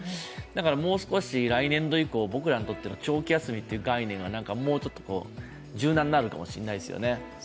もう少し来年度以降、僕らにとっての長期休みの概念がもう少し柔軟になるかもしれないですね。